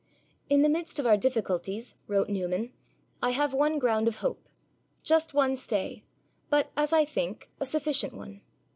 'In the midst of our difficulties,' wrote Newman, 'I have one ground of hope, just one stay, but, as I think, a sufficient one.